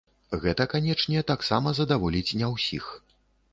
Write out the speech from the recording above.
Гэта, канечне, таксама задаволіць не ўсіх.